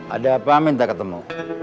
ada apa minta ketemu